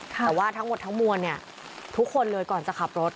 แต่ว่าทั้งหมดทั้งมวลทุกคนเลยก่อนจะขับรถ